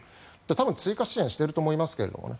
多分、追加支援をしていると思いますけどね。